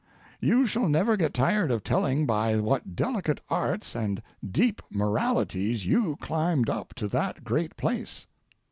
You shall never get tired of telling by what delicate arts and deep moralities you climbed up to that great place.